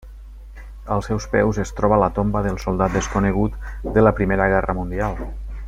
Als seus peus es troba la tomba del Soldat desconegut de la Primera Guerra Mundial.